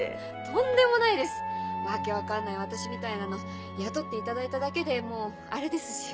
とんでもないです訳分かんない私みたいなの雇っていただいただけでもうあれですし。